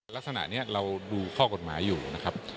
ลักษณะนี้เราดูข้อกฎหมายอยู่นะครับ